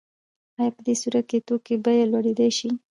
آیا په دې صورت کې د توکي بیه لوړیدای شي؟